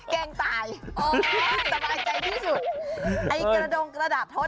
แกล้งตายอ๋อสบายใจที่สุดไอ้กระดงกระดาษทศ